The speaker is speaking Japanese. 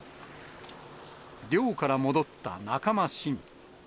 漁から戻った仲間市議。